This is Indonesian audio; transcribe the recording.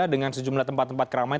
dengan sejumlah tempat tempat keramai